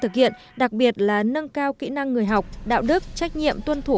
chức năng lào cai đang thực hiện đặc biệt là nâng cao kỹ năng người học đạo đức trách nhiệm tuân thủ